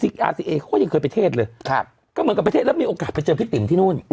อาซีเอเขาก็ยังเคยไปเทศเลยก็เหมือนกับประเทศแล้วมีโอกาสไปเจอพี่ติ๋มที่นู่น